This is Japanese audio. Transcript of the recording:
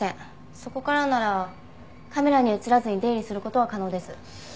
そこからならカメラに映らずに出入りする事は可能です。